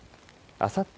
あさって